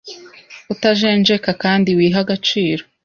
utajenjeka kandi wiha agaciro;